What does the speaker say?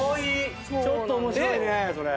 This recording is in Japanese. ちょっと面白いねそれ。